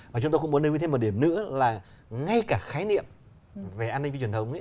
và chúng tôi cũng muốn lưu ý thêm một điểm nữa là ngay cả khái niệm về an ninh phi truyền thống ấy